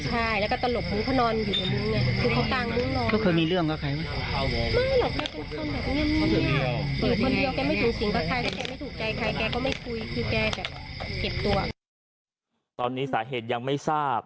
ตอนนี้สาเหตุยังไม่ทราบ